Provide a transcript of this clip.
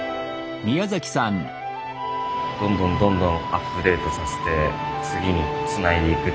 どんどんどんどんアップデートさせて次につないでいく。